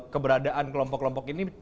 keberadaan kelompok kelompok ini